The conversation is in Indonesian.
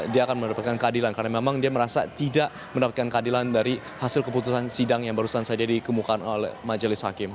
dia akan mendapatkan keadilan karena memang dia merasa tidak mendapatkan keadilan dari hasil keputusan sidang yang barusan saja dikemukakan oleh majelis hakim